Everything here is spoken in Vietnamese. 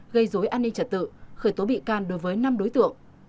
gây dối an ninh trật tự khởi tố bị can đối với năm đối tượng